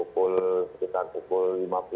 sekitar pukul lima belas tiga puluh